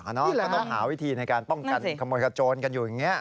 ก็ต้องหาวิธีในการป้องกันขโมยกระโจนกันอยู่อย่างนี้